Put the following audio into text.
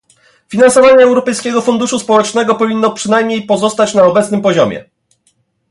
Finansowanie Europejskiego Funduszu Społecznego powinno przynajmniej pozostać na obecnym poziomie